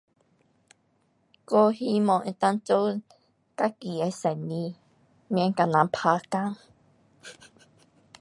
我希望能够做自己的生意。免跟人打工。